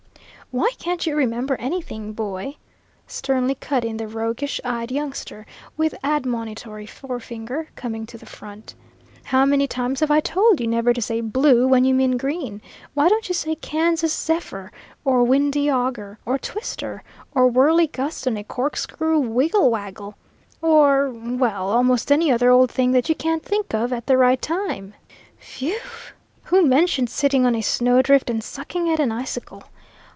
"Why can't you remember anything, boy?" sternly cut in the roguish eyed youngster, with admonitory forefinger, coming to the front. "How many times have I told you never to say blue when you mean green? Why don't you say Kansas zephyr? Or windy auger? Or twister? Or whirly gust on a corkscrew wiggle waggle? Or well, almost any other old thing that you can't think of at the right time? W h e w! Who mentioned sitting on a snowdrift, and sucking at an icicle?